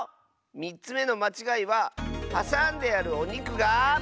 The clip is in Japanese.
３つめのまちがいははさんであるおにくが。